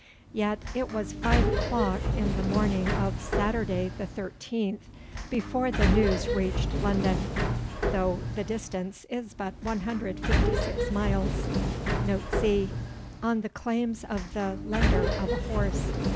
Yet it was five o'clock in the morning of Saturday, the 13th, before the news reached London, though the distance is but 156 miles. Note C. On the Claims of the Lender of a Horse.